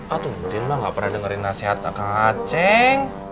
atu muten mah gak pernah dengerin nasihat akang a ceng